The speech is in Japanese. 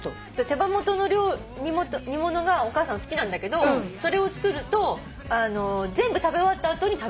手羽元の煮物がお母さん好きなんだけどそれを作ると全部食べ終わった後に食べるんだって。